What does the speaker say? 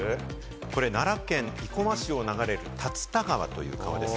これ、奈良県生駒市を流れる竜田川という川です。